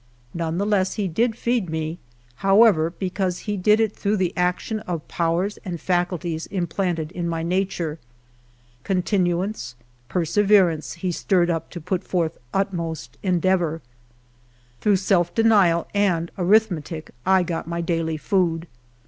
None the less did he teed me, however, be cause he did it through the action of powers and faculties implanted in my nature. Continuance, perseverence he stirred up to put forth utmost endeavor. Through self de nial and arithmetic I got my daily food.